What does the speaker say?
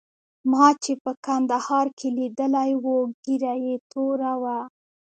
ما چې په کندهار کې لیدلی وو ږیره یې توره وه.